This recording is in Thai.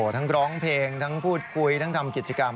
ร้องเพลงทั้งพูดคุยทั้งทำกิจกรรม